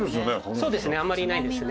そうですねあんまりないですね。